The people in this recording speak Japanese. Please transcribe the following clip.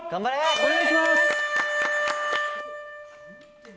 お願いします！